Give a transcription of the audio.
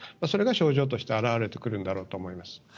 それが症状として表れてくるんだろうと思います。